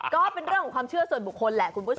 ก็เป็นเรื่องของความเชื่อส่วนบุคคลแหละคุณผู้ชม